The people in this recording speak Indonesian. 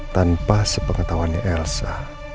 tanpa sepengetahuan elsa